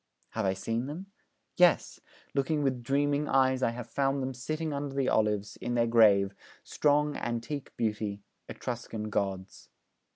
Have I seen them? Yes, looking with dreaming eyes, I have found them sitting under the olives, in their grave, strong, antique beauty Etruscan gods!'